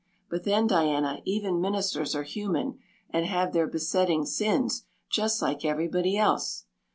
But then, Diana, even ministers are human and have their besetting sins just like everybody else.